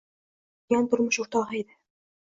Tongda uxlab qolgan turmush o‘rtog‘I edi.